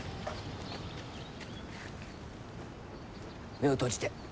目を閉じて。